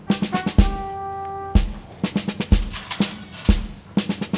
itu kendaraan dinas intelijen